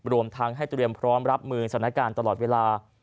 รวมทั้งให้เตรียมพร้อมรับมือสถานการณ์ตลอดเวลา